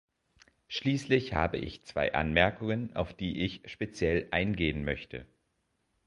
Schließlich habe ich zwei Anmerkungen, auf die ich speziell eingehen möchte.